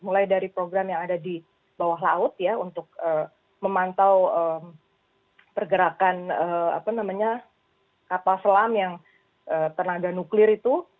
mulai dari program yang ada di bawah laut ya untuk memantau pergerakan kapal selam yang tenaga nuklir itu